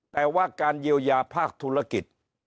แต่ว่าการเยียวยาภาคธุรกิจ